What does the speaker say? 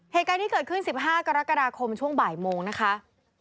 เหตุการณ์ที่เกิดขึ้น๑๕กรกฎาคมช่วงบ่ายโมงนะคะ